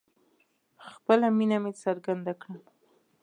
خپله مینه مې څرګنده کړه